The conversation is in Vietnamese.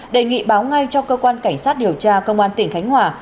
đề nghị báo ngay cho cơ quan cảnh sát điều tra công an tỉnh khánh hòa